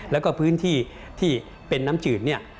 แล้วก็พื้นที่เป็นน้ำจืด